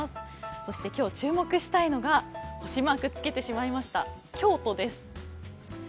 そして今日注目したいのが、★マークつけてしまいました、京都です。